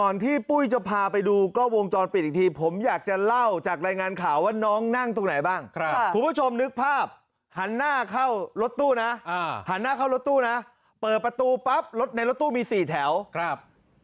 นี่เบาะตรงนี้เลยน้องนั่งตรงนี้ก่อนเลย